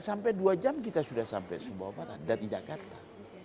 sampai dua jam kita sudah sampai sumbawa barat dari jakarta